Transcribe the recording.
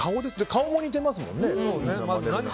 顔も似てますもんね。